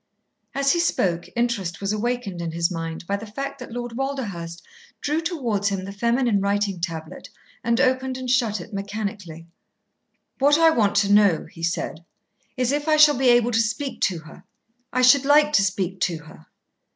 As he spoke, interest was awakened in his mind by the fact that Lord Walderhurst drew towards him the feminine writing tablet and opened and shut it mechanically. "What I want to know," he said, "is, if I shall be able to speak to her. I should like to speak to her."